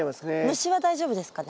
虫は大丈夫ですかね？